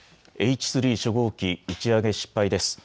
Ｈ３初号機、打ち上げ失敗です。